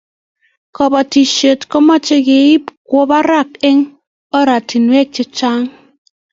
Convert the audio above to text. Kabatishet ko much ke ib kwo barak eng' oratinwek che chang'